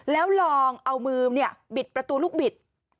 แล้วลองเอามือบิดประตูลูกบิด